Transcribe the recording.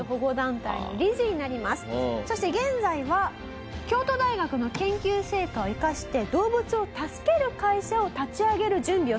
そして現在は京都大学の研究成果を生かして動物を助ける会社を立ち上げる準備をされていると。